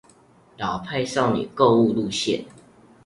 老派少女購物路線